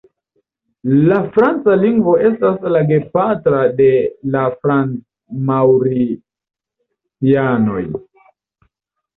La franca lingvo estas la gepatra de la franc-maŭricianoj.